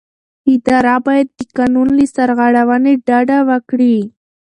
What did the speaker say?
اداره باید د قانون له سرغړونې ډډه وکړي.